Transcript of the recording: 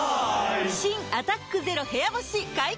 新「アタックＺＥＲＯ部屋干し」解禁‼